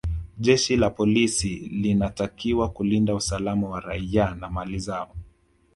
jeshi la polisi linatakiwa kulinda usalama wa raia na mali zao